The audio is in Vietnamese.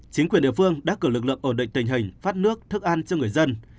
chính quyền địa phương đã cử lực lượng ổn định tình hình phát nước thức ăn cho người dân